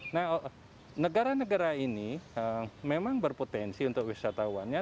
nah negara negara ini memang berpotensi untuk wisatawannya